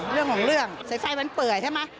เรื่องของเรื่องสายไฟมันเปื่อยใช่ไหม